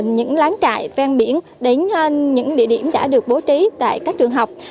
những lán trại ven biển đến những địa điểm đã được bố trí tại các trường học